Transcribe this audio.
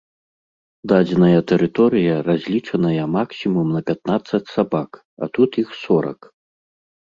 Дадзеная тэрыторыя разлічаная максімум на пятнаццаць сабак, а тут іх сорак.